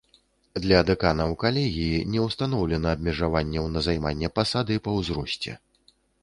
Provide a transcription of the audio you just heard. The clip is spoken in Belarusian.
Для дэканаў калегіі не ўстаноўлена абмежаванняў на займанне пасады па ўзросце.